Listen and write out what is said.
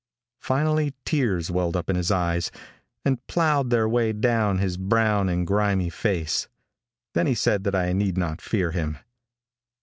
Finally tears welled up in his eyes, and plowed their way down his brown and grimy face. Then he said that I need not fear him.